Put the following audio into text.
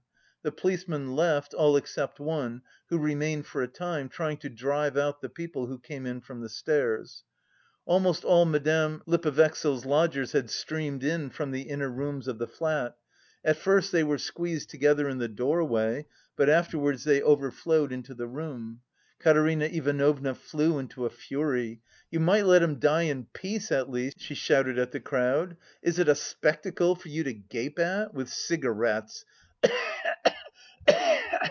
The policemen left, all except one, who remained for a time, trying to drive out the people who came in from the stairs. Almost all Madame Lippevechsel's lodgers had streamed in from the inner rooms of the flat; at first they were squeezed together in the doorway, but afterwards they overflowed into the room. Katerina Ivanovna flew into a fury. "You might let him die in peace, at least," she shouted at the crowd, "is it a spectacle for you to gape at? With cigarettes!